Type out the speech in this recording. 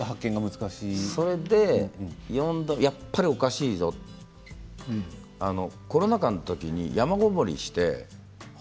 それでやっぱりおかしいぞとコロナ禍の時に山ごもりをして。